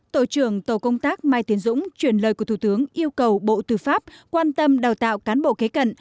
tổ trưởng tổ công tác mai tiến dũng chuyển lời của thủ tướng yêu cầu bộ tư pháp quan tâm đào tạo cán bộ kế cận